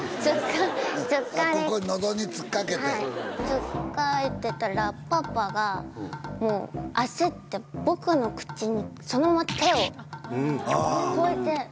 つっかえてたらパパが焦ってぼくの口にそのまま手を。